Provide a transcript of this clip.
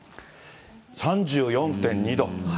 ３４．２度。